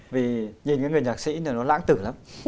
vì nhìn những người nhạc sĩ này nó lãng tử lắm